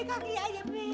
aduh babe kaki aja be